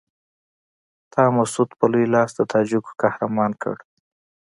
تا مسعود په لوی لاس د تاجکو قهرمان کړ.